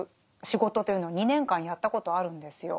仕事というのを２年間やったことあるんですよ。